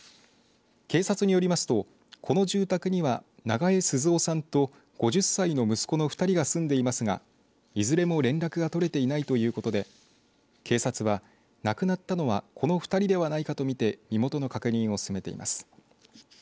警察によりますとこの住宅には長江鈴男さんと５０歳の息子の２人が住んでいますがいずれも連絡が取れていないということで警察は亡くなったのはこの２人ではないかとみて身元の確認を進めています。